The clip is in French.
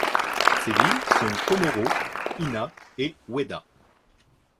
Ces villes sont Komoro, Ina et Ueda.